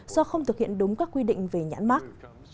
do không thực hiện đúng các quy định về nhãn mắc